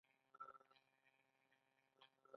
د غوریان وسپنه مشهوره ده